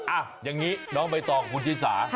อ่ะอย่างนี้น้องใบตองคุณชิสา